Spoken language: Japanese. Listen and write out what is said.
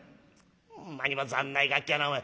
「ほんまにざんないガキやなお前。